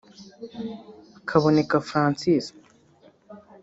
Kaboneka Francis